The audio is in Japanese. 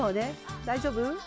大丈夫？